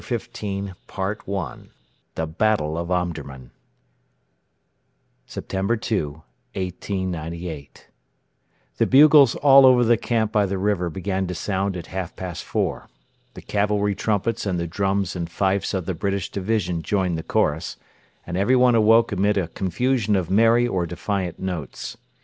CHAPTER XV: THE BATTLE OF OMDURMAN SEPTEMBER 2, 1898 The bugles all over the camp by the river began to sound at half past four. The cavalry trumpets and the drums and fifes of the British division joined the chorus, and everyone awoke amid a confusion of merry or defiant notes.